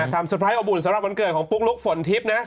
เตอร์ไพรสอบอุ่นสำหรับวันเกิดของปุ๊กลุ๊กฝนทิพย์นะ